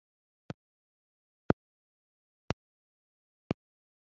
harimo ibikorwa byinshi byo mu matsinda